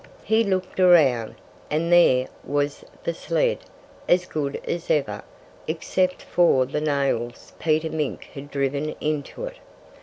He looked around. And there was the sled, as good as ever, except for the nails Peter Mink had driven into it.